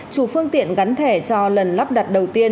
chủ phương tiện gắn thẻ cho lần lắp đặt đầu tiên